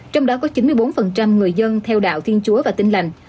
trong đó có chín mươi bốn người dân theo đạo thiên chúa và tin lành